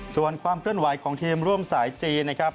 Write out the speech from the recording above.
ส่วนความเคลื่อนไหวของทีมร่วมสายจีนนะครับ